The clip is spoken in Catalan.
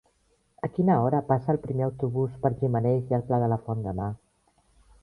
A quina hora passa el primer autobús per Gimenells i el Pla de la Font demà?